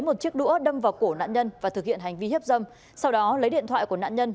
một chiếc đũa đâm vào cổ nạn nhân và thực hiện hành vi hiếp dâm sau đó lấy điện thoại của nạn nhân